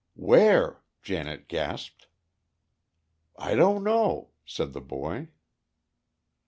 "Where?" Janet gasped. "I don't know," said the boy.